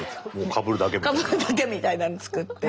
かぶるだけみたいなのを作って。